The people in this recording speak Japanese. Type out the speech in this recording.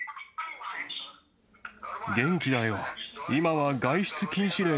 元気だよ。